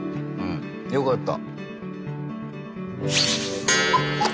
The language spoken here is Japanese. よかった。